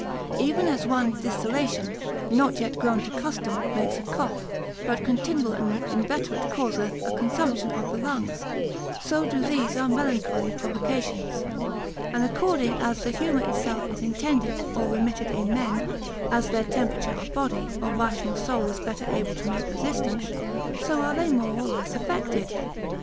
Even as one distillation, not yet grown to custom, makes a cough; but continual and inveterate causeth a consumption of the lungs; so do these our melancholy provocations: and according as the humour itself is intended, or remitted in men, as their temperature of body, or rational soul is better able to make resistance; so are they more or less affected.